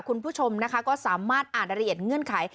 คุณผู้ชมนะคะก็สามารถอ่านรายละเอียดเงื่อนไข